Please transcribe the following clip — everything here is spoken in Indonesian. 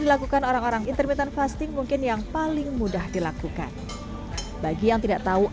dilakukan orang orang intermittent fasting mungkin yang paling mudah dilakukan bagi yang tidak tahu